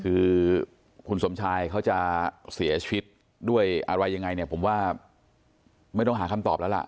คือคุณสมชายเขาจะเสียชีวิตด้วยอะไรยังไงเนี่ยผมว่าไม่ต้องหาคำตอบแล้วล่ะ